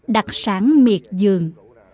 đặc sản miệt dường